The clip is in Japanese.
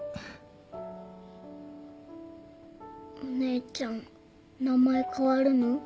お姉ちゃん名前変わるの？